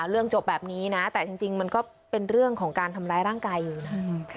เรื่องจบแบบนี้นะแต่จริงมันก็เป็นเรื่องของการทำร้ายร่างกายอยู่นะ